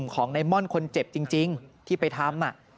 ก้อนคนเจ็บจริงที่ไปทำ